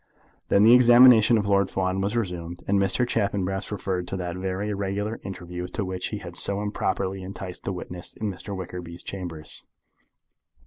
Then the examination of Lord Fawn was resumed, and Mr. Chaffanbrass referred to that very irregular interview to which he had so improperly enticed the witness in Mr. Wickerby's chambers.